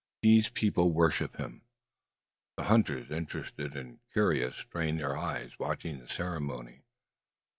These people worship him." The hunters, interested and curious, strain their eyes, watching the ceremony.